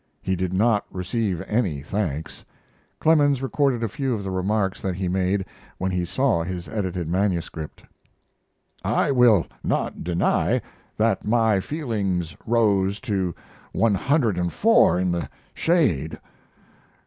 He did not receive any thanks. Clemens recorded a few of the remarks that he made when he saw his edited manuscript: I will not deny that my feelings rose to 104 in the shade.